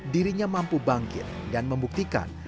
dirinya mampu bangkit dan membuktikan